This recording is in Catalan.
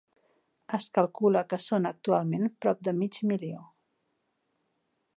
Es calcula que són actualment prop de mig milió.